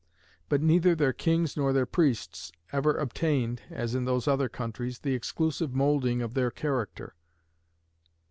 But neither their kings nor their priests ever obtained, as in those other countries, the exclusive moulding of their character.